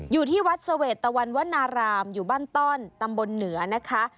อยู่ที่วัดเสวตวันวนารามอยู่บ้านต้อนตำบลเหนือนะคะ